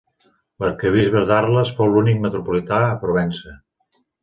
L'arquebisbe d'Arles fou l'únic metropolità a Provença.